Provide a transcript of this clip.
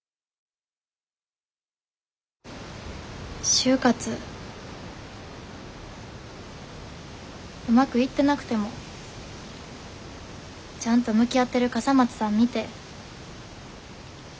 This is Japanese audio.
就活うまくいってなくてもちゃんと向き合ってる笠松さん見て何か元気出て。